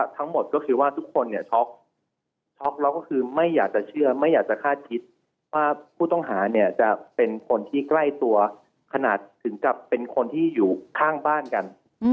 ทั้งหมดก็คือว่าทุกคนเนี่ยช็อกช็อกแล้วก็คือไม่อยากจะเชื่อไม่อยากจะคาดคิดว่าผู้ต้องหาเนี่ยจะเป็นคนที่ใกล้ตัวขนาดถึงกับเป็นคนที่อยู่ข้างบ้านกัน